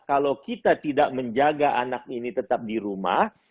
kalau kita tidak menjaga anak ini tetap di rumah